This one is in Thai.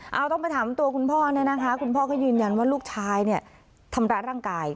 เอาต้องไปถามตัวคุณพ่อเนี่ยนะคะคุณพ่อก็ยืนยันว่าลูกชายเนี่ยทำร้ายร่างกาย